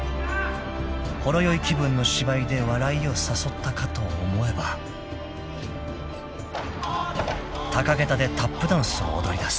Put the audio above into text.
［ほろ酔い気分の芝居で笑いを誘ったかと思えば高げたでタップダンスを踊りだす］